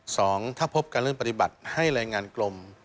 สองถ้าพบการเริ่มปฏิบัติให้รายงานกลม